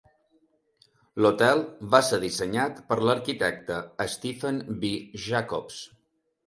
L'Hotel va ser dissenyat per l'arquitecte Stephen B. Jacobs.